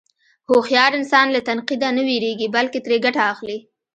هوښیار انسان له تنقیده نه وېرېږي، بلکې ترې ګټه اخلي.